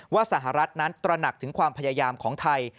สหรัฐนั้นตระหนักถึงความพยายามของไทย